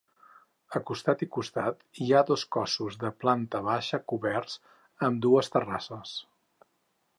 A costat i costat, hi ha dos cossos de planta baixa coberts amb dues terrasses.